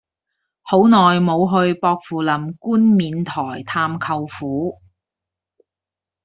好耐無去薄扶林冠冕台探舅父